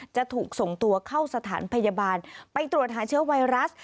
จะถูกส่งตัวเข้าสถานพยาบาลไปตรวจหาเชื้อไวรัส